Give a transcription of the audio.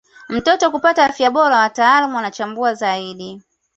mtoto kupata afya bora wataalam wanachambua zaidi